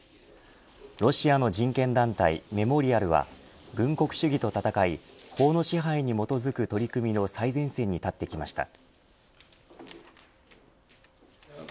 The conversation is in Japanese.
ロシアの人権団体メモリアルは軍国主義と戦い法の支配に基づく取り組みの最前線に立ってきました。